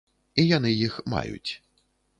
І яны іх маюць.